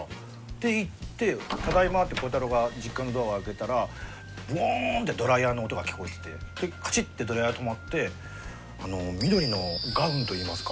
で行って「ただいま」って孝太郎が実家のドア開けたらブオンってドライヤーの音が聞こえててカチッてドライヤーが止まって緑のガウンといいますか。